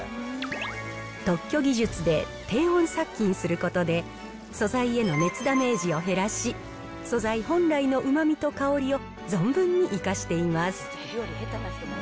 特許技術で低温殺菌することで、素材への熱ダメージを減らし、素材本来のうまみと香りを存分に生かしています。